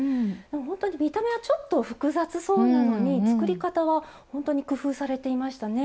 ほんとに見た目はちょっと複雑そうなのに作り方はほんとに工夫されていましたね。